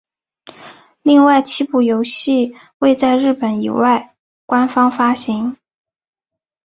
另外七部游戏未在日本以外官方发行。